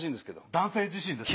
「男性自身」ですけど。